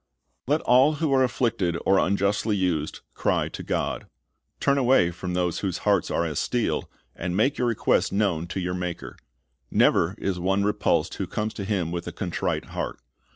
"^ Let all who are afflicted or unjustly used, cry to God. Turn away from those whose hearts are as steel, and make your requests known to your Maker. Never is one repulsed who comes to Him with a contrite heart.